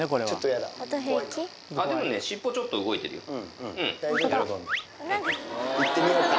でもね、いってみようか。